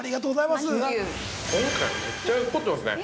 今回、めっちゃ凝ってますね。